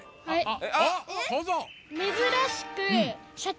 はい！